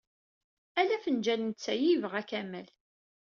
Ala afenǧal n ttay i yebɣa Kamal.